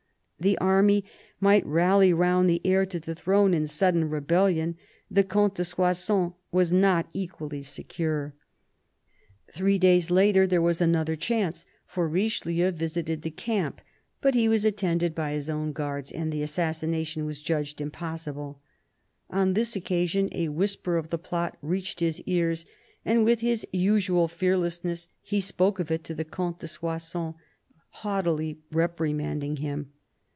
The army might rally round the heir to the throne in sudden rebellion ; the Comte de Soissons was not equally secure. THE CARDINAL 261 Three days later there was another chance, for Richelieu visited the camp ; but he was attended by his own guards, and the assassination was "judged impossible." On this occasion a whisper of the plot reached his ears, and with his usual fearlessness he spoke of it to the Comte de Soissons, haughtily reprimanding him.